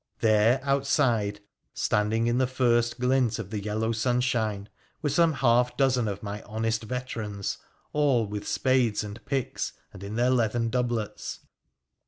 There, outside, standing in the first glint of the yellow sunshine, were some half dozen of my honest veterans, all with spades and picks and in their leathern doublets.